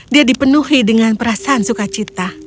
dia dipenuhi dengan perasaan sukacita